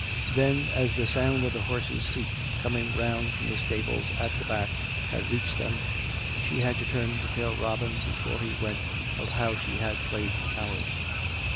Then, as the sound of the horses' feet coming round from the stables at the back had reached them, she had deter mined to tell Robin before he went of how she had played the coward.